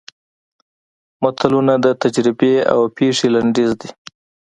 متلونه د تجربې او پېښې لنډیز دي